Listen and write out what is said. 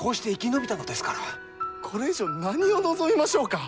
これ以上何を望みましょうか。